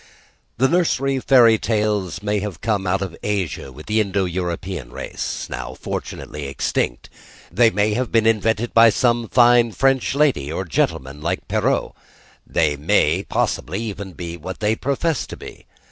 The nursery fairy tales may have come out of Asia with the Indo European race, now fortunately extinct; they may have been invented by some fine French lady or gentleman like Perrault: they may possibly even be what they profess to be.